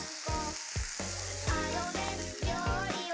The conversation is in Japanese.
「あのね料理は」